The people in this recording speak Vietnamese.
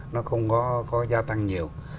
nó không có gia tăng nhiều